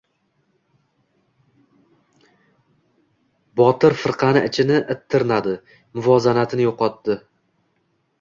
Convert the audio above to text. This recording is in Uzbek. Botir firqani ichini it tirnadi. Muvozanatini yo‘qotdi.